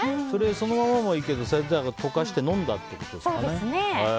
そのほうはいいけど溶かして飲んだってことかな。